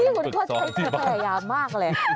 นี่คุณควรใช้แทยมากเลย